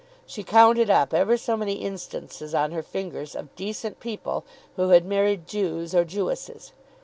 She counted up ever so many instances on her fingers of "decent people" who had married Jews or Jewesses.